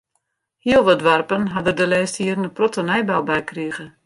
Heel wat doarpen ha der de lêste jierren in protte nijbou by krige.